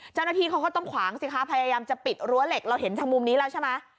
เจ้าหน้าที่เขาก็ต้องขวางสิคะพยายามจะปิดรั้วเหล็กเราเห็นทางมุมนี้แล้วใช่ไหม